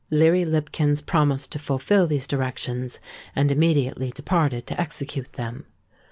Leary Lipkins promised to fulfil these directions, and immediately departed to execute them.